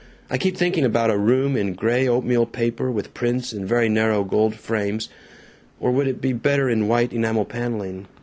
I keep thinking about a room in gray oatmeal paper with prints in very narrow gold frames or would it be better in white enamel paneling?